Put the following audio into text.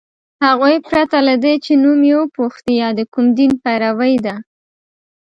هغوی پرته له دې چي نوم یې وپوښتي یا د کوم دین پیروۍ ده